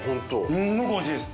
すごくおいしいです！